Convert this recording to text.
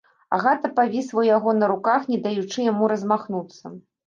Агата павісла ў яго на руках, не даючы яму размахнуцца.